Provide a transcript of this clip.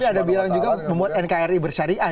tapi ada yang bilang juga membuat nkri bersyariah